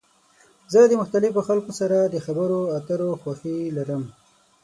زه د مختلفو خلکو سره د خبرو اترو خوښی لرم.